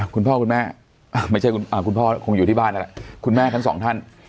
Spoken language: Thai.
คุณพ่อคุณแม่ไม่ใช่คุณพ่อคงอยู่ที่บ้านแล้วล่ะคุณแม่ทั้งสองท่าน